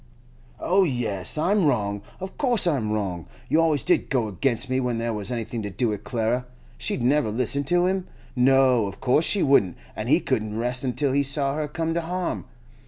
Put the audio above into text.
'Oh yes, I'm wrong! Of course I'm wrong! You always did go against me when there was anything to do with Clara. She'd never listen to him? No, of course she wouldn't, an' he couldn't rest until he saw her come to harm.